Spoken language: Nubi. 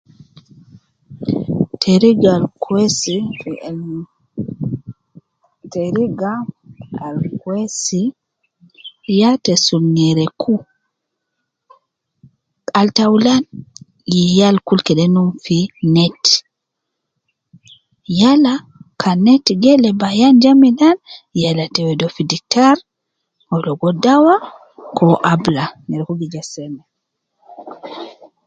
Teriga al kwesi ,yan teriga al kwesi ya te sul nyereku al taulan, yal kul kede num fi net, yala kan neti geleb ayan milan ,yala te wedi uwo fi diktar , uwo ligo dawa, uwo abula, nyereku bi ja seme